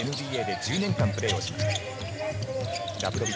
ＮＢＡで１２年間、プレーしました。